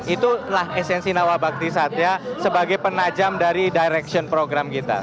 itulah esensi nawabakti satya sebagai penajam dari direction program kita